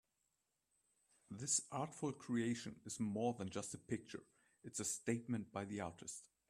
This artful creation is more than just a picture, it's a statement by the artist.